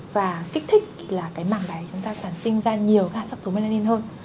và kích thích mảng đáy chúng ta sản sinh ra nhiều gác sắc tố melanin hơn